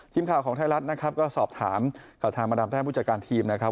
ทีมข่าวของไทยรัฐนะครับก็สอบถามกับทางบรรดามแพ่งผู้จัดการทีมนะครับ